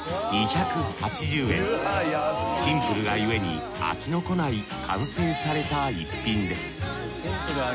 シンプルがゆえに飽きのこない完成された一品です